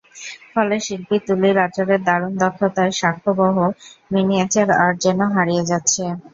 ফলে শিল্পীর তুলির আঁচড়ের দারুণ দক্ষতার সাক্ষ্যবহ মিনিয়েচার আর্ট যেন হারিয়ে যাচ্ছে।